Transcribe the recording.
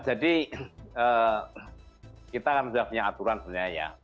jadi kita kan sudah punya aturan sebenarnya ya